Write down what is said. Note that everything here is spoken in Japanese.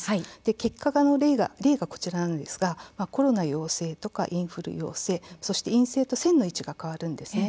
結果の例が、こちらなんですがコロナ陽性とかインフル陽性そして陰性と線の位置が変わるんですね。